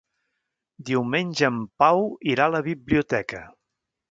Diumenge en Pau irà a la biblioteca.